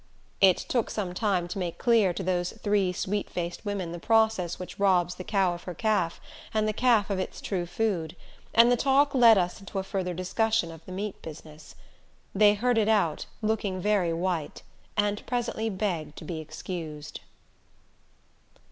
It took some time to make clear to those three sweet faced women the process which robs the cow of her calf, and the calf of its true food; and the talk led us into a further discussion of the meat business. They heard it out, looking very white, and presently begged to be excused.